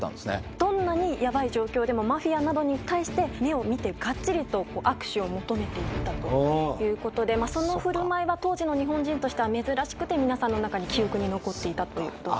どんなにヤバイ状況でも、マフィアなどに対して、目を見てがっちりと握手を求めていったということで、そのふるまいは、当時の日本人としては珍しくて、皆さんの中に記憶に残っていたということです。